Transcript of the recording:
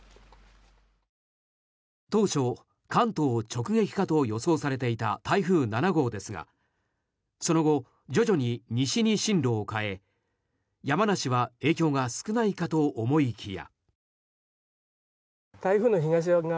当初、関東を直撃かと予想されていた台風７号ですがその後、徐々に西に進路を変え山梨は影響が少ないかと思いきや。